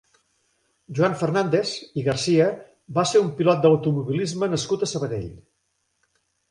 Joan Fernández i Garcia va ser un pilot d'automobilisme nascut a Sabadell.